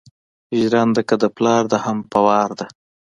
ژرنده که دې پلار ده هم په وار ده.